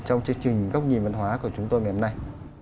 trong chương trình góc nhìn văn hóa của chúng tôi ngày hôm nay